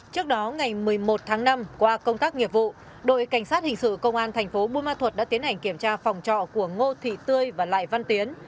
trước đó ngày một mươi một tháng năm qua công tác nghiệp vụ đội cảnh sát hình sự công an thành phố bùa ma thuật đã tiến hành kiểm tra phòng trọ của ngô thị tươi và lại văn tiến